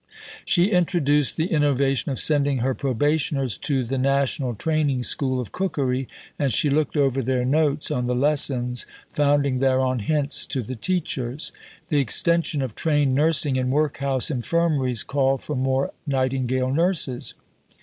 She introduced the innovation of sending her probationers to the National Training School of Cookery, and she looked over their notes on the lessons, founding thereon hints to the teachers. The extension of trained nursing in workhouse infirmaries called for more Nightingale nurses.